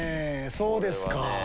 そうですか。